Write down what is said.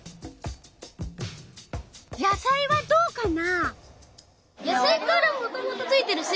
野菜はどうかな？